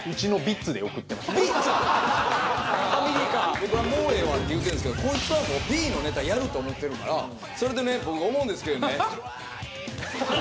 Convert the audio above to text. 僕は「もうええわ」って言ってるんですけどこいつはもうＢのネタやると思ってるから「それとねボク思うんですけどね」。